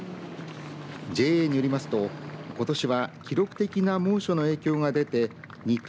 ＪＡによりますとことしは記録的な猛暑の影響が出て２等